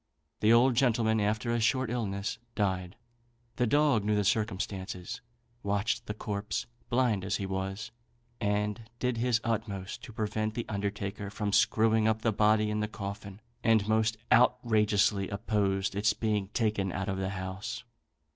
The old gentleman, after a short illness, died. The dog knew the circumstance, watched the corpse, blind as he was, and did his utmost to prevent the undertaker from screwing up the body in the coffin, and most outrageously opposed its being taken out of the house.